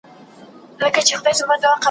او نور به پرته له ګدايۍ کولو ,